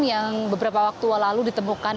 yang beberapa waktu lalu ditemukan